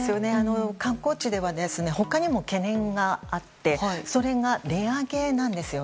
観光地では他にも懸念があってそれが値上げです。